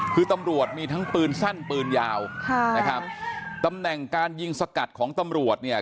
คือตำรวจมีทั้งปืนสั้นปืนยาวค่ะนะครับตำแหน่งการยิงสกัดของตำรวจเนี่ย